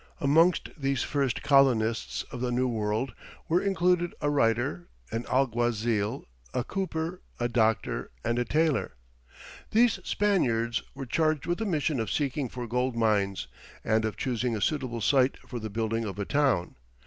Amongst these first colonists of the New World were included a writer, an alguazil, a cooper, a doctor, and a tailor. These Spaniards were charged with the mission of seeking for gold mines, and of choosing a suitable site for the building of a town.